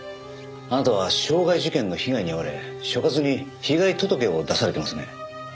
あなたは傷害事件の被害に遭われ所轄に被害届を出されてますね。